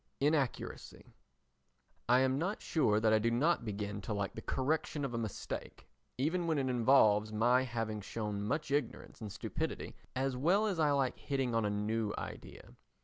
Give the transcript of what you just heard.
Inaccuracy I am not sure that I do not begin to like the correction of a mistake, even when it involves my having shown much ignorance and stupidity, as well as I like hitting on a new idea.